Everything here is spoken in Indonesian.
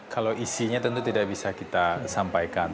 kalau isinya tentu tidak bisa kita sampaikan